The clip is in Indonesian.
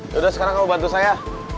yaudah sekarang kamu bantu saya